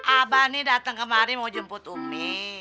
abah nih dateng kemari mau jemput umi